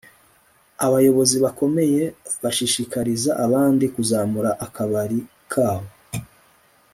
abayobozi bakomeye bashishikariza abandi kuzamura akabari kabo